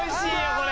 これ。